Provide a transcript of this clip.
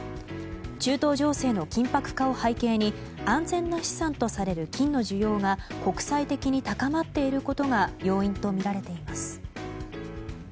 中東情勢の緊迫化を背景に安全な資産とされる金の需要が国際的に高まっていることが要因とみられています。